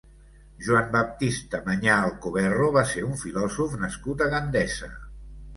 Joan Baptista Manyà Alcoverro va ser un filòsof nascut a Gandesa.